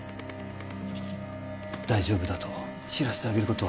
大丈夫だと知らせてあげることは